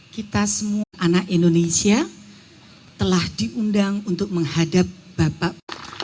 kita semua anak indonesia telah diundang untuk menghadap bapak